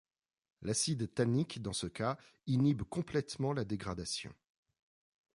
L'acide tannique dans ce cas inhibe complètement la dégradation.